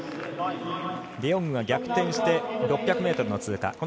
デヨングが逆転して６００ｍの通過。